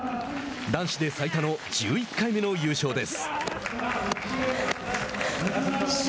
男子で最多の１１回目の優勝です。